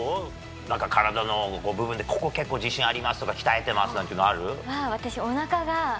なんか体の部分で、ここ結構自信ありますとか、鍛えてますなんて